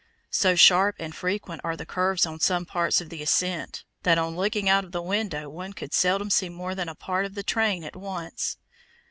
So sharp and frequent are the curves on some parts of the ascent, that on looking out of the window one could seldom see more than a part of the train at once.